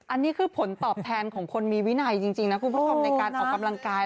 อันนี้คือผลตอบแทนของคนมีวินัยจริงนะคุณผู้ชมในการออกกำลังกาย